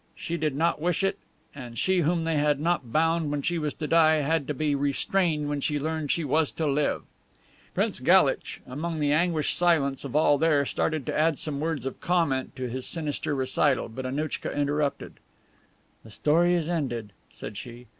She did not wish it, and she whom they had not bound when she was to die had to be restrained when she learned she was to live." Prince Galitch, amid the anguished silence of all there, started to add some words of comment to his sinister recital, but Annouchka interrupted: "The story is ended," said she.